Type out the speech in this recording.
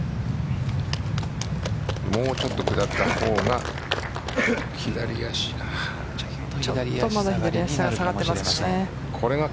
もうちょっと下った方が。